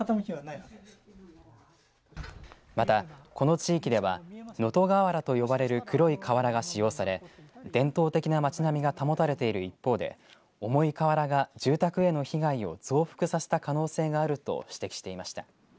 また、この地域では能登瓦と呼ばれる黒い瓦が使用され伝統的な町並みが保たれている一方で重い瓦が住宅への被害を増幅させた可能性があると指摘していました。